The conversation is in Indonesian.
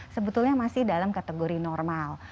sebetulnya masih dalam kategori normal